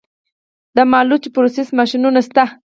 د مالوچو پروسس ماشینونه شته